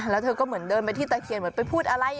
แล้วเธอก็เหมือนเดินไปที่ตะเคียนเหมือนไปพูดอะไร